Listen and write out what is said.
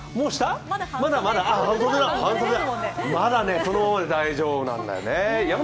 半袖、まだそのままで大丈夫なんだよね。